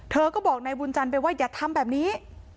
เธอก็บอกนายบุญจันทร์ไปว่าอย่าทำแบบนี้